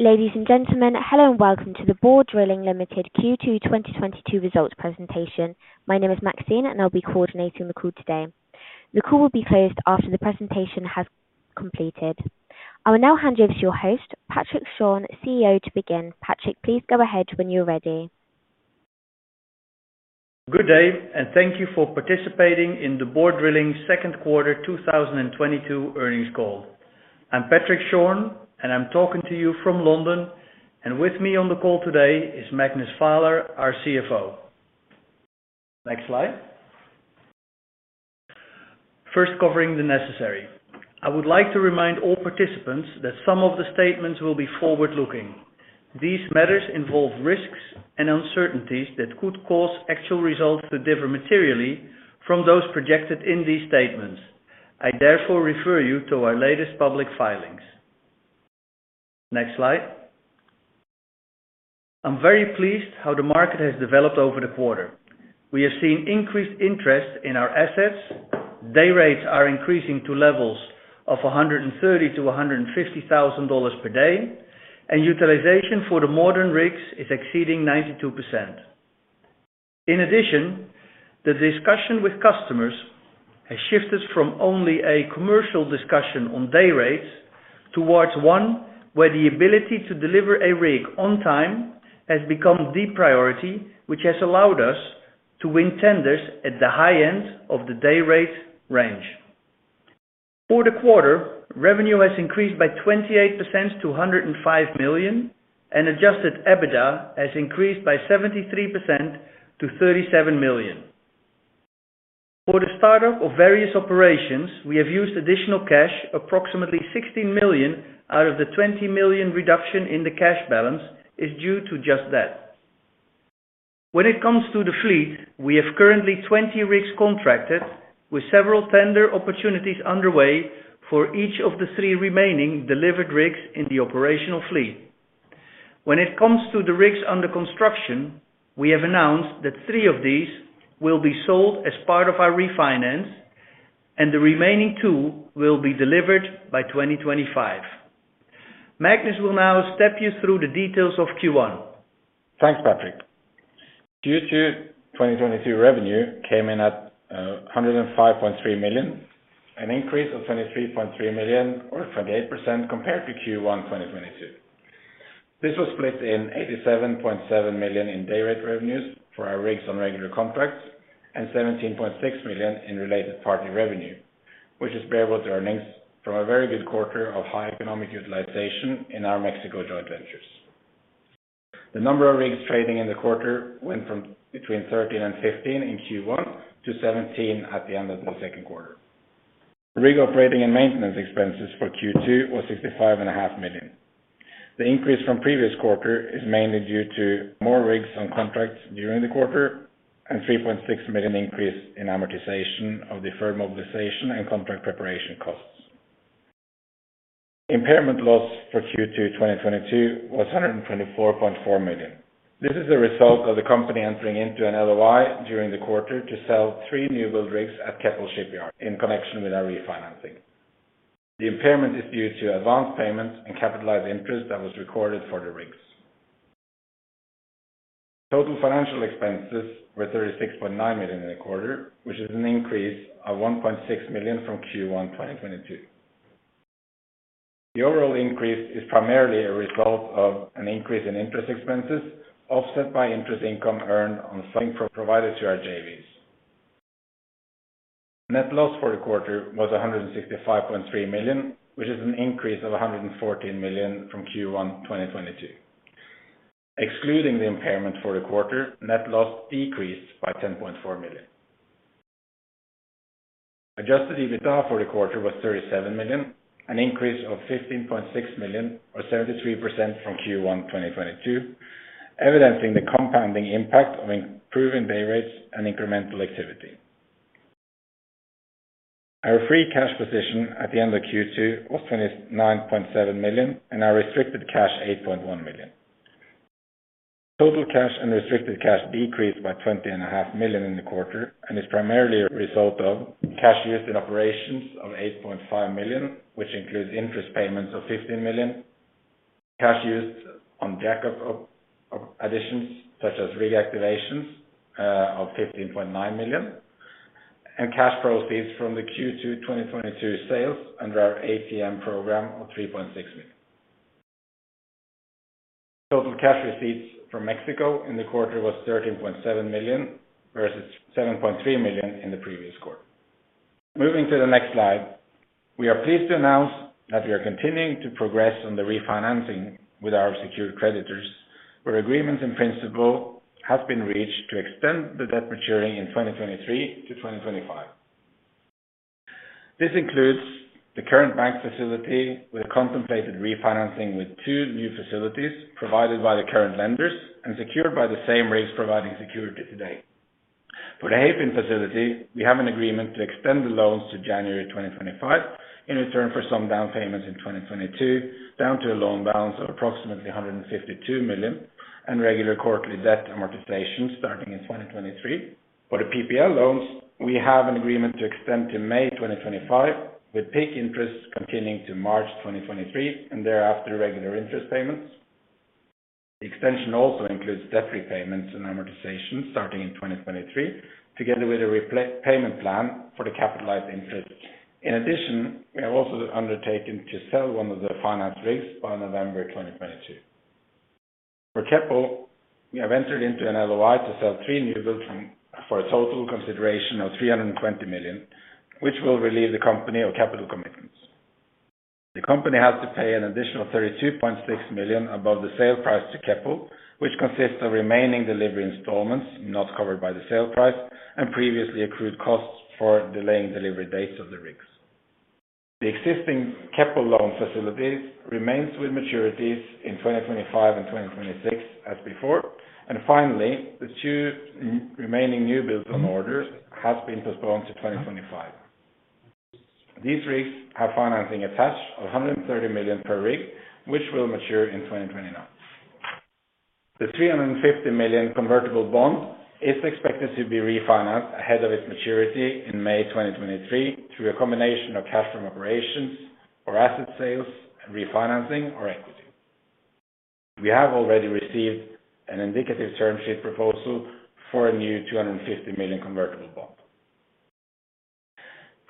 Ladies and gentlemen, hello and welcome to the Borr Drilling Limited Q2 2022 results presentation. My name is Maxine, and I'll be coordinating the call today. The call will be closed after the presentation has completed. I will now hand you over to your host, Patrick Schorn, CEO, to begin. Patrick, please go ahead when you're ready. Good day, and thank you for participating in the Borr Drilling second quarter 2022 earnings call. I'm Patrick Schorn, and I'm talking to you from London, and with me on the call today is Magnus Vaaler, our CFO. Next slide. First, covering the necessary. I would like to remind all participants that some of the statements will be forward-looking. These matters involve risks and uncertainties that could cause actual results to differ materially from those projected in these statements. I therefore refer you to our latest public filings. Next slide. I'm very pleased how the market has developed over the quarter. We have seen increased interest in our assets. Day rates are increasing to levels of $130,000-$150,000 per day, and utilization for the modern rigs is exceeding 92%. In addition, the discussion with customers has shifted from only a commercial discussion on day rates towards one where the ability to deliver a rig on time has become the priority, which has allowed us to win tenders at the high end of the day rate range. For the quarter, revenue has increased by 28% to $105 million, and adjusted EBITDA has increased by 73% to $37 million. For the start of various operations, we have used additional cash. Approximately $16 million out of the $20 million reduction in the cash balance is due to just that. When it comes to the fleet, we have currently 20 rigs contracted with several tender opportunities underway for each of the three remaining delivered rigs in the operational fleet. When it comes to the rigs under construction, we have announced that three of these will be sold as part of our refinance and the remaining two will be delivered by 2025. Magnus will now step you through the details of Q1. Thanks, Patrick. Q2 2022 revenue came in at $105.3 million, an increase of $23.3 million or 28% compared to Q1 2022. This was split into $87.7 million in day rate revenues for our rigs on regular contracts and $17.6 million in related party revenue, which is bareboat earnings from a very good quarter of high economic utilization in our Mexico joint ventures. The number of rigs trading in the quarter went from between 13 and 15 in Q1 to 17 at the end of the second quarter. Rig operating and maintenance expenses for Q2 was $65.5 million. The increase from previous quarter is mainly due to more rigs on contracts during the quarter and $3.6 million increase in amortization of deferred mobilization and contract preparation costs. Impairment loss for Q2 2022 was $124.4 million. This is a result of the company entering into an LOI during the quarter to sell three new build rigs at Keppel Shipyard in connection with our refinancing. The impairment is due to advance payments and capitalized interest that was recorded for the rigs. Total financial expenses were $36.9 million in the quarter, which is an increase of $1.6 million from Q1 2022. The overall increase is primarily a result of an increase in interest expenses offset by interest income earned on funds provided to our JVs. Net loss for the quarter was $165.3 million, which is an increase of $114 million from Q1 2022. Excluding the impairment for the quarter, net loss decreased by $10.4 million. Adjusted EBITDA for the quarter was $37 million, an increase of $15.6 million or 73% from Q1 2022, evidencing the compounding impact of improving day rates and incremental activity. Our free cash position at the end of Q2 was $29.7 million, and our restricted cash, $8.1 million. Total cash and restricted cash decreased by $20 and a half million in the quarter and is primarily a result of cash used in operations of $8.5 million, which includes interest payments of $15 million, cash used on backup OpEx additions such as rig activations of $15.9 million, and cash proceeds from the Q2 2022 sales under our ATM program of $3.6 million. Total cash receipts from Mexico in the quarter was $13.7 million, versus $7.3 million in the previous quarter. Moving to the next slide, we are pleased to announce that we are continuing to progress on the refinancing with our secured creditors, where agreements in principle have been reached to extend the debt maturing in 2023 to 2025. This includes the current bank facility with contemplated refinancing with two new facilities provided by the current lenders and secured by the same rigs providing security today. For the Hayfin facility, we have an agreement to extend the loans to January 2025 in return for some down payments in 2022, down to a loan balance of approximately $152 million and regular quarterly debt amortization starting in 2023. For the PPL loans, we have an agreement to extend to May 2025, with PIK interests continuing to March 2023 and thereafter, regular interest payments. The extension also includes debt repayments and amortizations starting in 2023, together with a repayment plan for the capitalized interest. In addition, we have also undertaken to sell one of the finance rigs by November 2022. For Keppel, we have entered into an LOI to sell three newbuilds for a total consideration of $320 million, which will relieve the company of capital commitments. The company has to pay an additional $32.6 million above the sale price to Keppel, which consists of remaining delivery installments not covered by the sale price and previously accrued costs for delaying delivery dates of the rigs. The existing Keppel loan facilities remains with maturities in 2025 and 2026 as before. Finally, the two remaining newbuilds on orders has been postponed to 2025. These rigs have financing attached of $130 million per rig, which will mature in 2029. The $350 million convertible bond is expected to be refinanced ahead of its maturity in May 2023 through a combination of cash from operations or asset sales and refinancing or equity. We have already received an indicative term sheet proposal for a new $250 million convertible bond.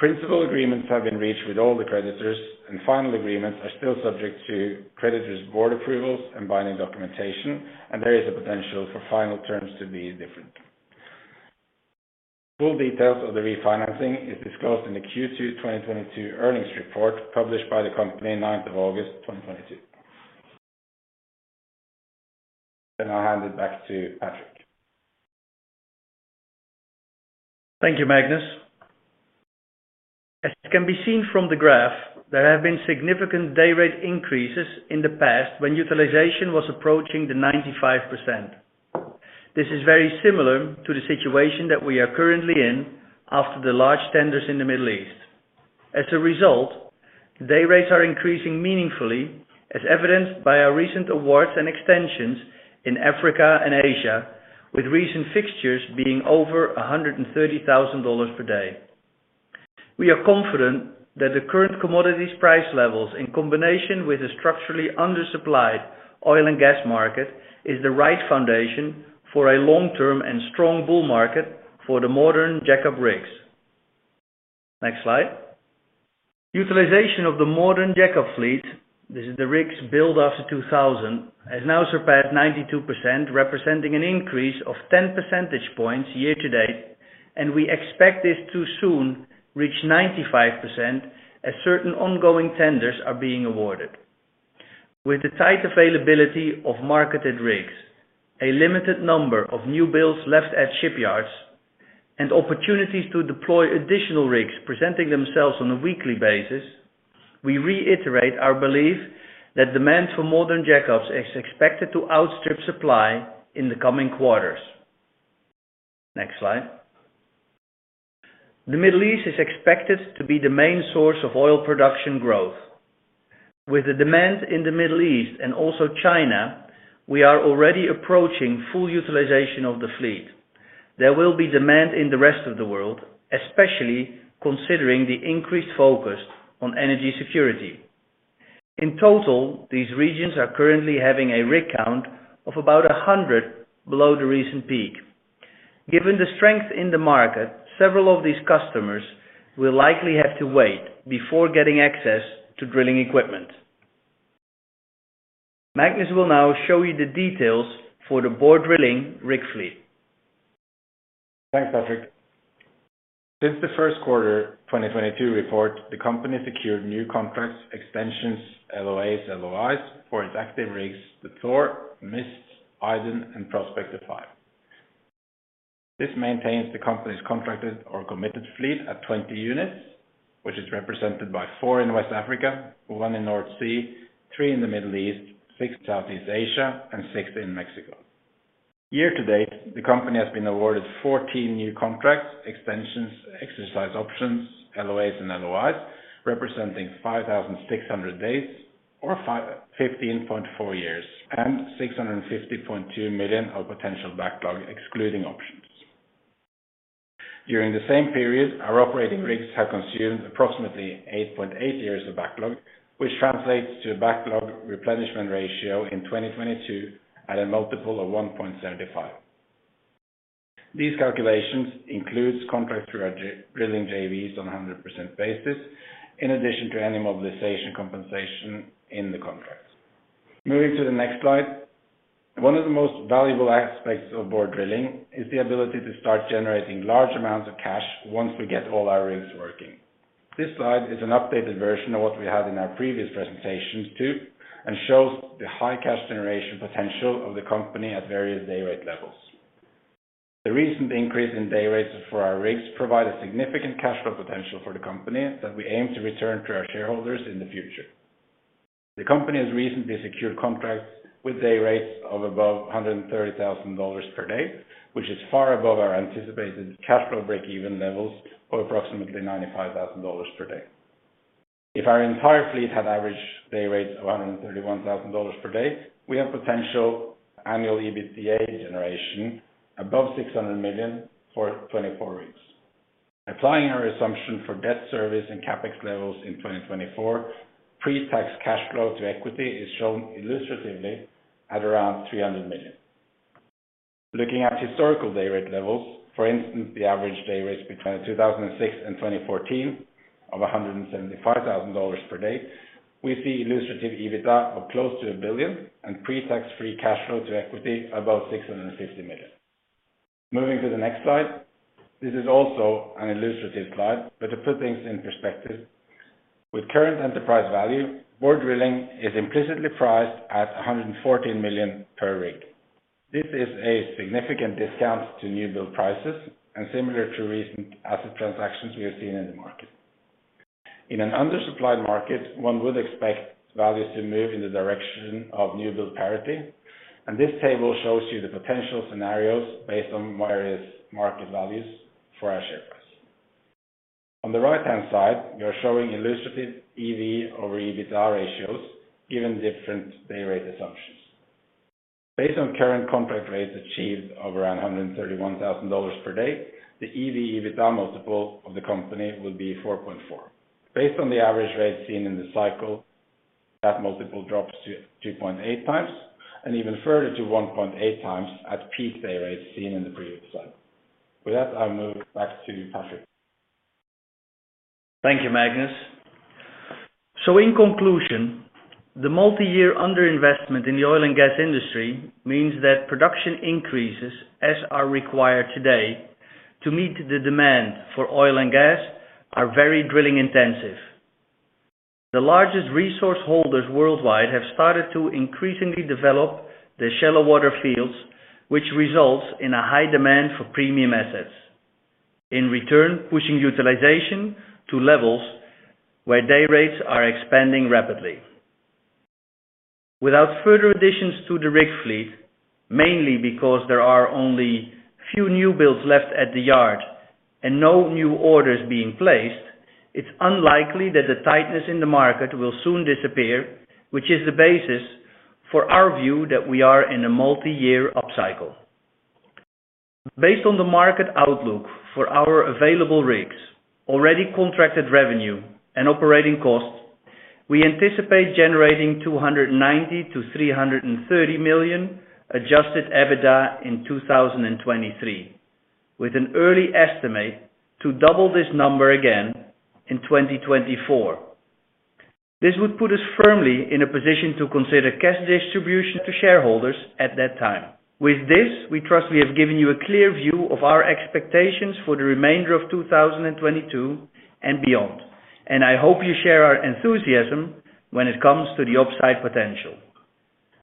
Principal agreements have been reached with all the creditors, and final agreements are still subject to creditors' board approvals and binding documentation, and there is a potential for final terms to be different. Full details of the refinancing is disclosed in the Q2 2022 earnings report published by the company ninth of August 2022. I'll hand it back to Patrick. Thank you, Magnus. As can be seen from the graph, there have been significant day rate increases in the past when utilization was approaching the 95%. This is very similar to the situation that we are currently in after the large tenders in the Middle East. As a result, day rates are increasing meaningfully as evidenced by our recent awards and extensions in Africa and Asia, with recent fixtures being over $130,000 per day. We are confident that the current commodities price levels, in combination with a structurally undersupplied oil and gas market, is the right foundation for a long-term and strong bull market for the modern jack-up rigs. Next slide. Utilization of the modern jack-up fleet, this is the rigs built after 2000, has now surpassed 92%, representing an increase of 10 percentage points year-to-date. We expect this to soon reach 95% as certain ongoing tenders are being awarded. With the tight availability of marketed rigs, a limited number of new builds left at shipyards, and opportunities to deploy additional rigs presenting themselves on a weekly basis, we reiterate our belief that demand for modern jack-ups is expected to outstrip supply in the coming quarters. Next slide. The Middle East is expected to be the main source of oil production growth. With the demand in the Middle East and also China, we are already approaching full utilization of the fleet. There will be demand in the rest of the world, especially considering the increased focus on energy security. In total, these regions are currently having a rig count of about 100 below the recent peak. Given the strength in the market, several of these customers will likely have to wait before getting access to drilling equipment. Magnus will now show you the details for the Borr Drilling rig fleet. Thanks, Patrick. Since the first quarter 2022 report, the company secured new contracts, extensions, LOAs, LOIs for its active rigs, the Thor, Mist, Idun, and Prospector 5. This maintains the company's contracted or committed fleet at 20 units, which is represented by four in West Africa, one in North Sea, three in the Middle East, six Southeast Asia, and six in Mexico. Year to date, the company has been awarded 14 new contracts, extensions, exercise options, LOAs, and LOIs, representing 5,600 days or 15.4 years and $650.2 million of potential backlog excluding options. During the same period, our operating rigs have consumed approximately 8.8 years of backlog, which translates to a backlog replenishment ratio in 2022 at a multiple of 1.75. These calculations includes contracts through our drilling JVs on a 100% basis, in addition to any mobilization compensation in the contracts. Moving to the next slide. One of the most valuable aspects of Borr Drilling is the ability to start generating large amounts of cash once we get all our rigs working. This slide is an updated version of what we had in our previous presentations, too, and shows the high cash generation potential of the company at various day rate levels. The recent increase in day rates for our rigs provide a significant cash flow potential for the company that we aim to return to our shareholders in the future. The company has recently secured contracts with day rates of above $130,000 per day, which is far above our anticipated cash flow break-even levels of approximately $95,000 per day. If our entire fleet had average day rates of $131,000 per day, we have potential annual EBITDA generation above $600 million for 24 rigs. Applying our assumption for debt service and CapEx levels in 2024, pre-tax cash flow to equity is shown illustratively at around $300 million. Looking at historical day rate levels, for instance, the average day rates between 2006 and 2014 of $175,000 per day, we see illustrative EBITDA of close to $1 billion and pre-tax free cash flow to equity above $650 million. Moving to the next slide. This is also an illustrative slide, but to put things in perspective. With current enterprise value, Borr Drilling is implicitly priced at $114 million per rig. This is a significant discount to new build prices and similar to recent asset transactions we have seen in the market. In an undersupplied market, one would expect values to move in the direction of new build parity. This table shows you the potential scenarios based on various market values for our share price. On the right-hand side, we are showing illustrative EV/EBITDA ratios given different day rate assumptions. Based on current contract rates achieved of around $131,000 per day, the EV/EBITDA multiple of the company would be 4.4. Based on the average rate seen in the cycle, that multiple drops to 2.8x and even further to 1.8x at peak day rates seen in the previous slide. With that, I'll move back to Patrick. Thank you, Magnus. In conclusion, the multi-year under-investment in the oil and gas industry means that production increases as are required today to meet the demand for oil and gas are very drilling intensive. The largest resource holders worldwide have started to increasingly develop the shallow water fields, which results in a high demand for premium assets, in return, pushing utilization to levels where day rates are expanding rapidly. Without further additions to the rig fleet, mainly because there are only few new builds left at the yard and no new orders being placed, it's unlikely that the tightness in the market will soon disappear, which is the basis for our view that we are in a multi-year upcycle. Based on the market outlook for our available rigs, already contracted revenue and operating costs, we anticipate generating $290 million-$330 million adjusted EBITDA in 2023, with an early estimate to double this number again in 2024. This would put us firmly in a position to consider cash distribution to shareholders at that time. With this, we trust we have given you a clear view of our expectations for the remainder of 2022 and beyond. I hope you share our enthusiasm when it comes to the upside potential.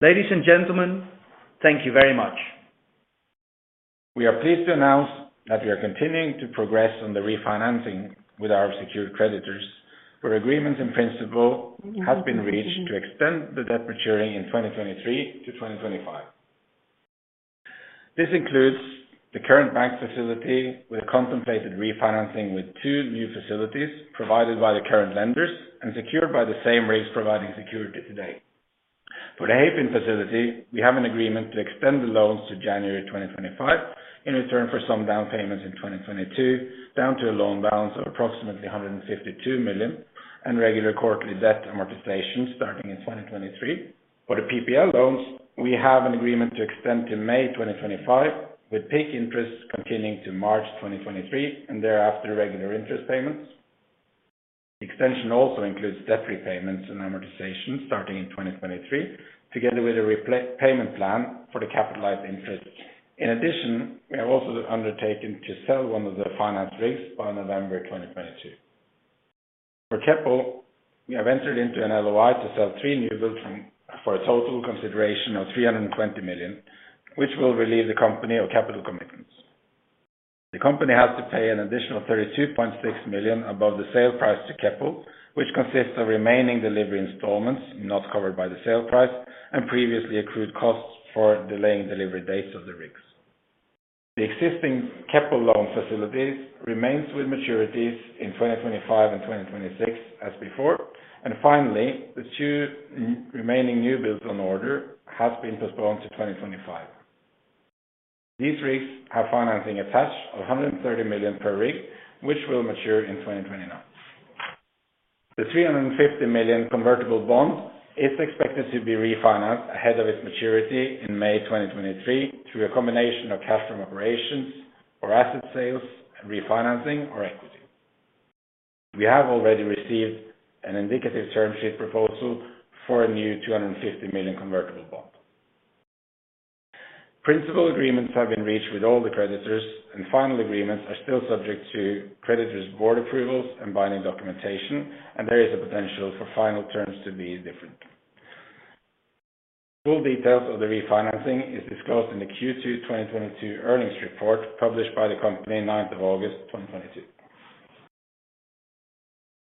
Ladies and gentlemen, thank you very much. We are pleased to announce that we are continuing to progress on the refinancing with our secured creditors, where agreements in principle has been reached to extend the debt maturing in 2023 to 2025. This includes the current bank facility with contemplated refinancing with two new facilities provided by the current lenders and secured by the same rigs providing security today. For the Hayfin facility, we have an agreement to extend the loans to January 2025 in return for some down payments in 2022, down to a loan balance of approximately $152 million and regular quarterly debt amortization starting in 2023. For the PPL loans, we have an agreement to extend to May 2025, with PIK interests continuing to March 2023, and thereafter, regular interest payments. Extension also includes debt repayments and amortization starting in 2023, together with a repayment plan for the capitalized interest. In addition, we have also undertaken to sell one of the finance rigs by November 2022. For Keppel, we have entered into an LOI to sell three new builds for a total consideration of $320 million, which will relieve the company of capital commitments. The company has to pay an additional $32.6 million above the sale price to Keppel, which consists of remaining delivery installments not covered by the sale price and previously accrued costs for delaying delivery dates of the rigs. The existing Keppel loan facilities remains with maturities in 2025 and 2026 as before. Finally, the two remaining new builds on order has been postponed to 2025. These rigs have financing attached of $130 million per rig, which will mature in 2029. The $350 million convertible bond is expected to be refinanced ahead of its maturity in May 2023 through a combination of cash from operations or asset sales and refinancing our equity. We have already received an indicative term sheet proposal for a new $250 million convertible bond. Principal agreements have been reached with all the creditors, and final agreements are still subject to creditors' board approvals and binding documentation, and there is a potential for final terms to be different. Full details of the refinancing is disclosed in the Q2 2022 earnings report published by the company ninth of August 2022.